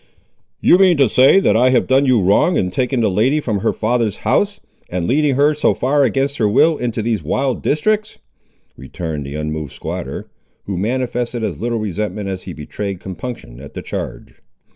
"You mean to say that I have done you wrong, in taking the lady from her father's house, and leading her so far against her will into these wild districts," returned the unmoved squatter, who manifested as little resentment as he betrayed compunction at the charge.